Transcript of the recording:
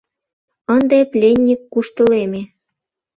Ынде пленник куштылеме.